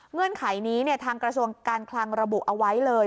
เงื่อนไขนี้ทางกระทรวงการคลังระบุเอาไว้เลย